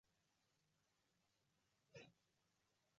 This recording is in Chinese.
欧萱也是获奖最多次的得主。